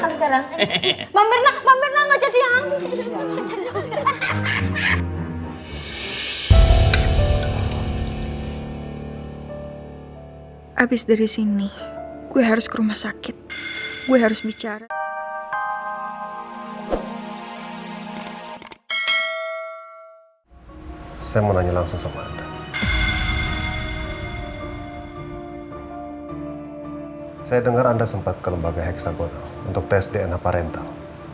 saya dengar anda sempat ke lembaga hexagonal untuk tes dna parental